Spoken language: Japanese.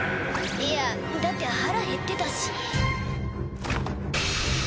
いやだって腹減ってたし。